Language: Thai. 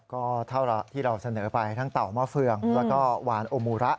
ก็เท่าที่เราเสนอไปทั้งเต่าหม้อเฟืองแล้วก็วานโอมูระ